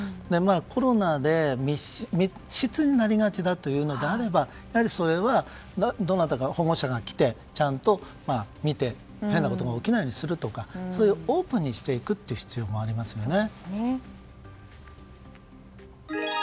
コロナで密室になりがちだというのであればそれはどなたか保護者が来てちゃんと見て、変なことが起きないようにするとかそういうオープンにしていく必要がありますよね。